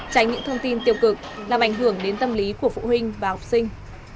tránh những thông tin tiêu cực làm ảnh hưởng đến tâm lý của phụ huynh và học sinh